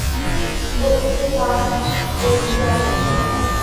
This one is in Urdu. تو اس سے خاصی بہتری آ سکتی ہے۔